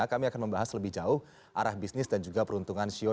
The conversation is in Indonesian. kami akan membahas lebih jauh arah bisnis dan juga peruntungan show